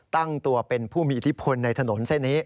ตั้งตัวเป็นผู้มีอิทธิพลในถนนเส้นนี้